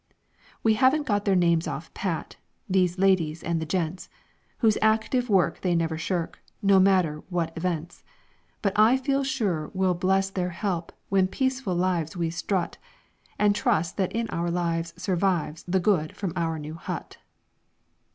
_ _"I haven't got their names off pat; These ladies and the gents, Whose active work they never shirk, No matter what events. But I feel sure we'll bless their help When peaceful lives we strut, And trust that in our lives, survives The good from OUR NEW HUT."